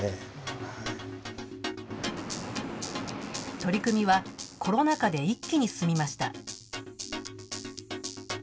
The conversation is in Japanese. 取り組みはコロナ禍で一気に進みました。